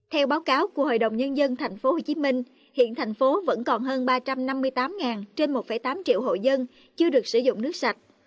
theo báo cáo của hội đồng nhân dân tp hcm hiện thành phố vẫn còn hơn ba trăm năm mươi tám trên một tám triệu hộ dân chưa được sử dụng nước sạch